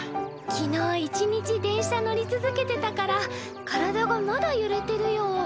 昨日一日電車乗り続けてたから体がまだゆれてるよ。